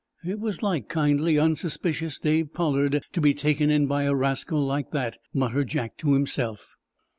"It was like kindly, unsuspicious Dave Pollard to be taken in by a rascal like that," muttered Jack to himself.